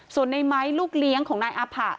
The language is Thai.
ส่วนในไม้ลูกเลี้ยงของนายอาผะ